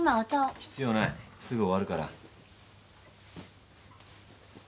必要ないすぐ終わるから。